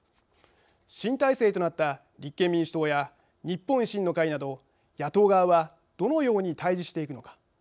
新体制となった立憲民主党や日本維新の会など野党側はどのように対じしていくのか。